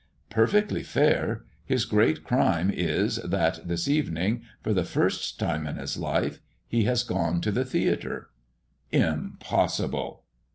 "Perfectly fair. His great crime is, that this evening, for the first time in his life, he has gone to the theatre." "Impossible!"